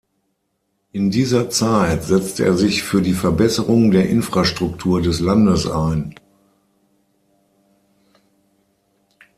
In dieser Zeit setzte er sich für die Verbesserung der Infrastruktur des Landes ein.